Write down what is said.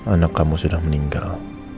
anak kamu sudah meninggal